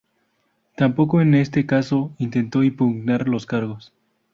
Tampoco en este caso intentó impugnar los cargos.